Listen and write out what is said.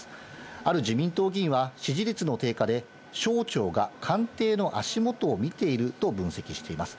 ある自民党議員は、支持率の低下で、省庁が官邸の足元を見ていると分析しています。